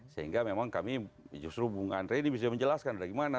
sehingga memang kami justru bung andrei ini bisa menjelaskan bagaimana